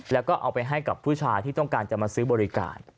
แล้วก็เอาไปให้กับผู้ชายที่ต้องการจะมาซื้อบริการ